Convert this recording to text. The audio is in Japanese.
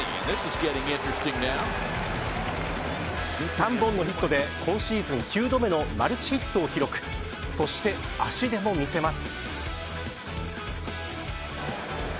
３本のヒットで今シーズン９度目のマルチヒットを記録そして、足でも見せます。